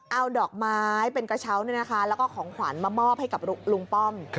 เอาดอกไม้เป็นกระเช้าแล้วก็ของขวัญมามอบให้กับลุงป้อม